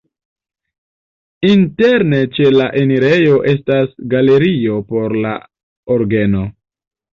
Interne ĉe la enirejo estas galerio por la orgeno.